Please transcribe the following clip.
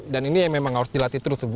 dan ini memang harus dilatih terus